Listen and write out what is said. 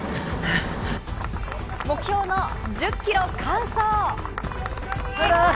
目標の１０キロ完走。